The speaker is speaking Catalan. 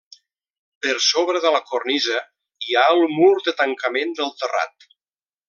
Per sobre de la cornisa hi ha el mur de tancament del terrat.